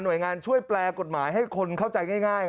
โดยงานช่วยแปลกฎหมายให้คนเข้าใจง่าย